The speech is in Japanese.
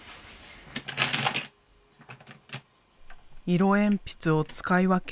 色鉛筆を使い分け